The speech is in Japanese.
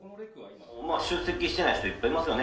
出席してない人いっぱいいますよね。